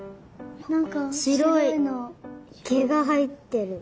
しろいけがはえてる。